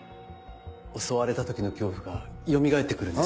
襲われた時の恐怖がよみがえってくるんです。